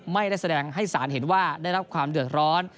ไม่ได้แสดงให้สารเห็นว่าได้รับความเดือดร้อน